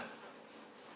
ngôi nhà sản